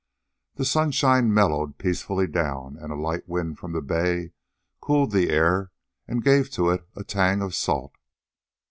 The sunshine mellowed peacefully down, and a light wind from the bay cooled the air and gave to it a tang of salt.